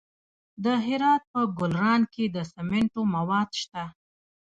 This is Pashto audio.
د هرات په ګلران کې د سمنټو مواد شته.